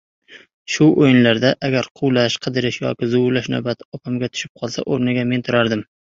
Shu oʻyinlarda agar quvlash, qidirish yoki zuvillash navbati opamga tushib qolsa, oʻrniga men turardim.